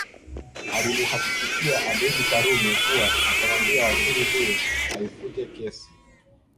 Alimuhakikishia Abeid Karume kuwa atamwambia wakili huyo aifute kesi